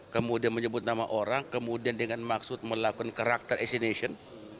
kemudian menyebut nama orang kemudian dengan maksud melakukan karakter astination